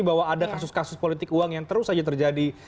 bahwa ada kasus kasus politik uang yang terus saja terjadi